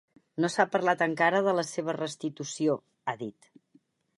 No s’ha parlat encara de la seva restitució, ha dit.